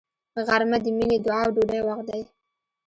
غرمه د مینې، دعا او ډوډۍ وخت دی